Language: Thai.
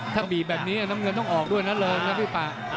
ถ้าบีบแบบนี้น้ำเงินต้องออกด้วยนะเริงนะพี่ปาก